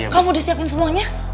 kamu udah siapin semuanya